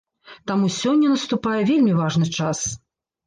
Таму сёння наступае вельмі важны час.